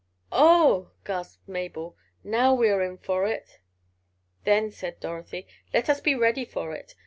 "Oh!" gasped Mabel. "Now we are in for it!" "Then," said Dorothy, "let us be ready for it.